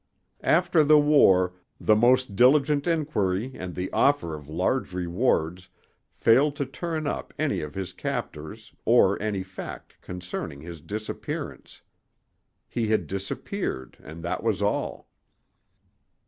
After the war the most diligent inquiry and the offer of large rewards failed to turn up any of his captors or any fact concerning his disappearance. He had disappeared, and that was all."